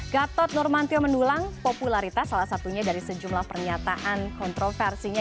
gatot nurmantio mendulang popularitas salah satunya dari sejumlah pernyataan kontroversinya